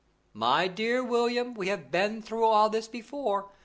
"My dear William, we have been through all this before.